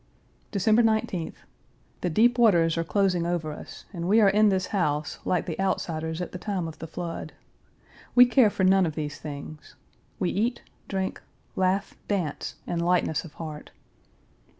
December 19th. The deep waters are closing over us and we are in this house, like the outsiders at the time of the flood. We care for none of these things. We eat, drink, laugh, dance, in lightness of heart.